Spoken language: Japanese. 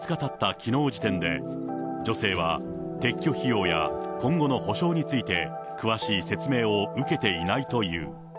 きのう時点で、女性は撤去費用や今後の補償について、詳しい説明を受けていないという。